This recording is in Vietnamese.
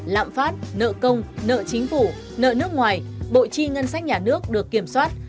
lạm phát nợ công nợ chính phủ nợ nước ngoài bộ chi ngân sách nhà nước được kiểm soát